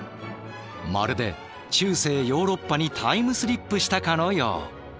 まるで中世ヨーロッパにタイムスリップしたかのよう。